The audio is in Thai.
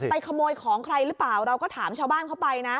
ขโมยของใครหรือเปล่าเราก็ถามชาวบ้านเข้าไปนะ